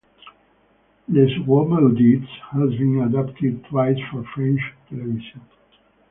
"Les Rois maudits" has been adapted twice for French television.